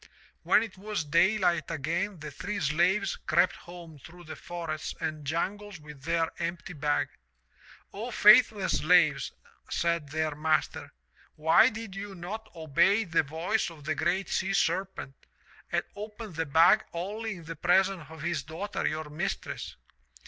'*When it was daylight again the three slaves crept home through the forests and jungles with their empty bag. '* *0, faithless slaves/ said their master, *why did you not obey the voice of the GREAT SEA SERPENT and open the bag only in the presence of his daughter, your mistress?